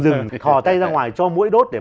rừng thò tay ra ngoài cho muỗi đốt để